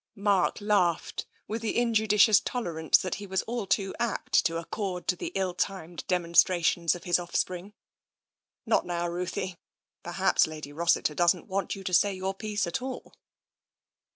Mark laughed, with the injudicious tolerance that he was all too apt to accord to the ill timed demonstra tions of his offspring. " Not now, Ruthie. Perhaps Lady Rossiter doesn't want you to say your piece at all."